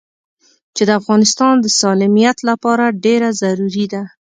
چې د افغانستان د سالميت لپاره ډېره ضروري ده.